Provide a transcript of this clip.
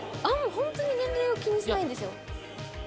ホントに年齢を気にしないんですよ。